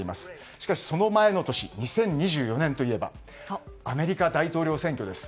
しかし、その前の年２０２４年といえばアメリカ大統領選挙です。